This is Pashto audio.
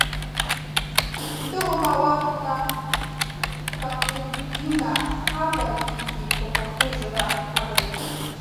دغو موادو ته کمپوزېټونه هم ویل کېږي په پښتو ژبه خبرې.